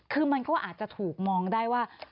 คือมันก็อาจจะถูกมองได้ว่า